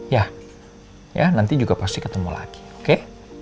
yah yah nanti juga pasti ketemu lagi oke